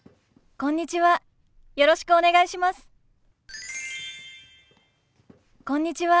こんにちは。